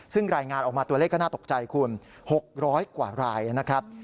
ซึ่งรายงานออกมาตัวเลขก็น่าตกใจคุณ๖๐๐กว่ารายนะครับ